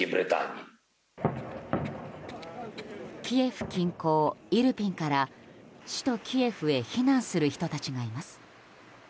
キエフ近郊イルピンから首都キエフへ避難する人たちがいます。